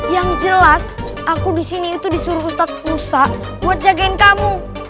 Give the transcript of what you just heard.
yang jelas aku disini itu disuruh rusak pusak buat jagain kamu